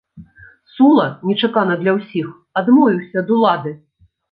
Сула нечакана для ўсіх адмовіўся ад улады.